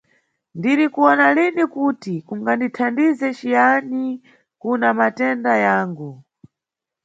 Ndirikuwona lini kuti kungandithandize ciyani kuna matenda yangu.